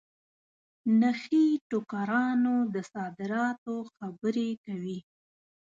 نخې ټوکرانو د صادراتو خبري کوي.